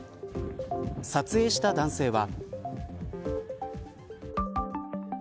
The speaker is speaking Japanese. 撮影した男性は。